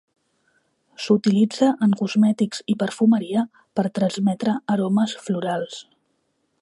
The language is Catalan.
S'utilitza en cosmètics i perfumeria per transmetre aromes florals.